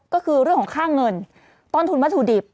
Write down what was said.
ก็คือเรื่องของค่าเงินต้นทุนวัตถุดิบ